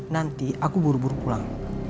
nanti aku buru buru pulang